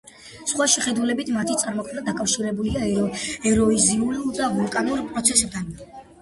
სხვა შეხედულებით, მათი წარმოქმნა დაკავშირებულია ეროზიულ და ვულკანურ პროცესებთან.